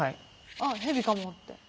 「あっヘビかも」って。